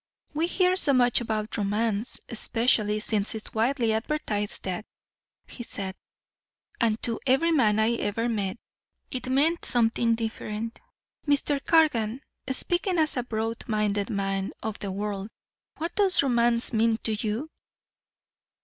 "We hear so much about romance, especially since its widely advertised death," he said. "And to every man I ever met, it meant something different. Mr. Cargan, speaking as a broad minded man of the world what does romance mean to you?"